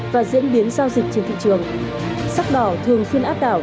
và diễn biến giao dịch trên thị trường sắc đỏ thường xuyên áp đảo